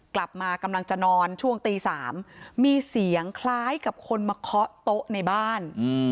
กำลังจะนอนช่วงตี๓มีเสียงคล้ายกับคนมาเคาะโต๊ะในบ้าน